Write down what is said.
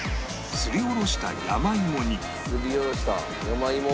すりおろした山芋を？